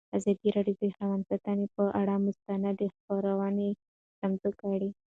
ازادي راډیو د حیوان ساتنه پر اړه مستند خپرونه چمتو کړې.